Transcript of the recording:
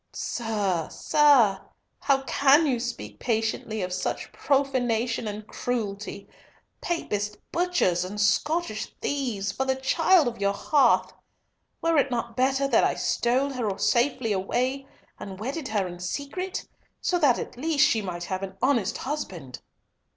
"Sir! sir! how can you speak patiently of such profanation and cruelty? Papist butchers and Scottish thieves, for the child of your hearth! Were it not better that I stole her safely away and wedded her in secret, so that at least she might have an honest husband?"